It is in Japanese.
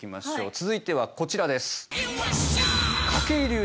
続いてはこちらです。